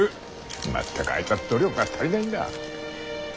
全くあいつは努力が足りないんだ。